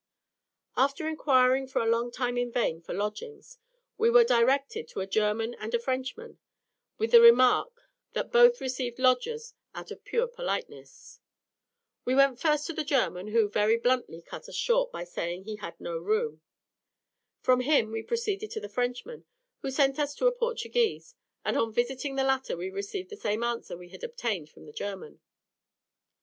After inquiring for a long time in vain for lodgings, we were directed to a German and a Frenchman, with the remark that both received lodgers out of pure politeness. We first went to the German, who very bluntly cut us short by saying that he had no room. From him we proceeded to the Frenchman, who sent us to a Portuguese, and on visiting the latter we received the same answer we had obtained from the German.